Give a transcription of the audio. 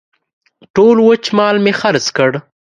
ټول وچ مال مې خرڅ کړ.